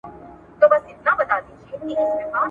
احمد شاه بابا د افغانستان بنسټ ایښودونکی و.